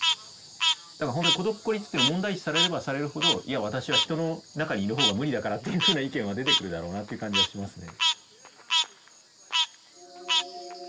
だから本当に孤独・孤立というのが問題視されればされるほどいや私は人の中にいる方が無理だからっていうふうな意見は出てくるだろうなという感じはしますね。